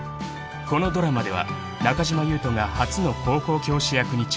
［このドラマでは中島裕翔が初の高校教師役に挑戦］